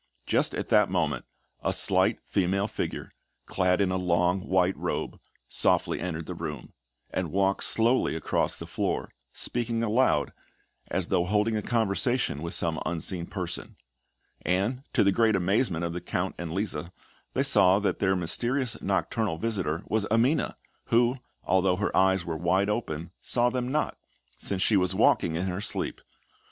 Just at that moment, a slight female figure, clad in a long white robe, softly entered the room, and walked slowly across the floor, speaking aloud, as though holding a conversation with some unseen person; and to the great amazement of the Count and Lisa, they saw that this mysterious nocturnal visitor was Amina, who, although her eyes were wide open, saw them not, since she was walking in her sleep.